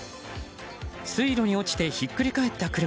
水路に落ちてひっくり返った車。